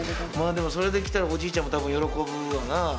でもそれできたらおじいちゃんもたぶん喜ぶわな。